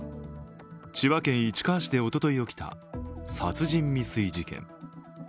千葉県市川市でおととい起きた殺人未遂事件。